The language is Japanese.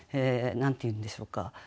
何て言うんでしょうか